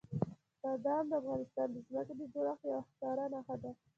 بادام د افغانستان د ځمکې د جوړښت یوه ښکاره نښه ده.